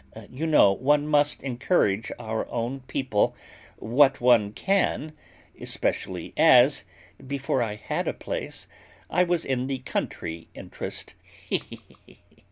You know one must encourage our own people what one can, especially as, before I had a place, I was in the country interest, he, he, he!